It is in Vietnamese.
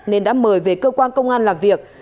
nên đã mời về cơ quan công an làm việc